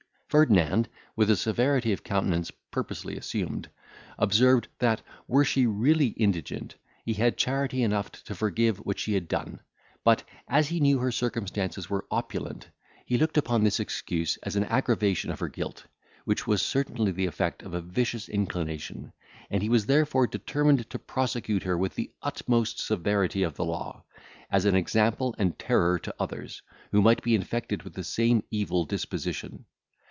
Ferdinand, with a severity of countenance purposely assumed, observed that, were she really indigent, he had charity enough to forgive what she had done; but, as he knew her circumstances were opulent, he looked upon this excuse as an aggravation of her guilt, which was certainly the effect of a vicious inclination; and he was therefore determined to prosecute her with the utmost severity of the law, as an example and terror to others, who might be infected with the same evil disposition.